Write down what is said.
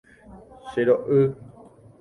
Chero'y.